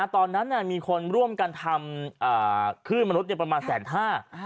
ตอนนั้นมีคนร่วมกันทำคลื่นมนุษย์ประมาณแสนห้า